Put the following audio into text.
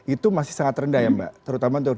itu masih sangat rendah ya mbak terutama untuk